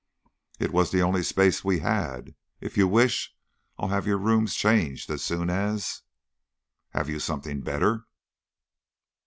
"It was the only space we had. If you wish, I'll have your rooms changed as soon as " "Have you something better?"